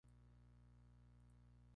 Phelps, la bibliotecaria.